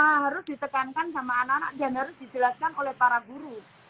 harus ditekankan sama anak anak dan harus dijelaskan oleh para guru